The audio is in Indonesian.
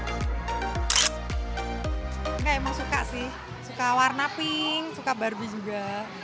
enggak emang suka sih suka warna pink suka barbie juga